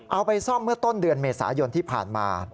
เอาไปซ่อมเมื่อต้นเดือนเมษายนที่ผ่านมา